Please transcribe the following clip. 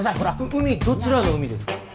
海どちらの海ですか？